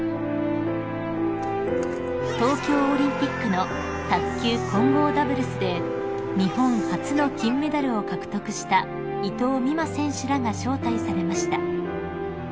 ［東京オリンピックの卓球混合ダブルスで日本初の金メダルを獲得した伊藤美誠選手らが招待されました］